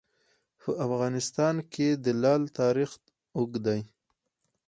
په افغانستان کې د لعل تاریخ اوږد دی.